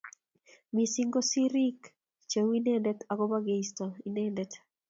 Missing ko sirik cheu inendet agobo keisto inendet